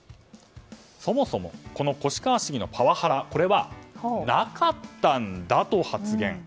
そもそも越川市議のパワハラはなかったんだと発言。